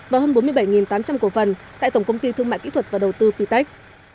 và hơn bốn mươi bảy tám trăm linh cổ phần tại tổng công ty thương mại kỹ thuật và đầu tư ptech